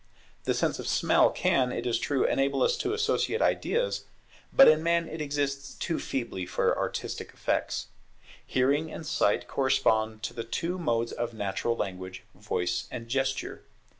The sense of smell can, it is true, enable us to associate ideas; but in man it exists too feebly for artistic effects. Hearing and Sight correspond to the two modes of natural language, voice and gesture.